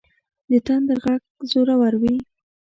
د تندر غږ زورور وي.